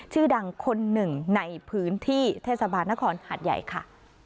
ชื่อดังคนหนึ่งในพื้นที่เทศบาลนครหาดใหญ่ค่ะ